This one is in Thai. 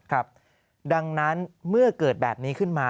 ครับดังนั้นเมื่อเกิดแบบนี้ขึ้นมา